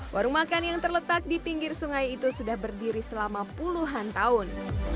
warung makan yang terletak di pinggir sungai itu sudah berdiri selama puluhan tahun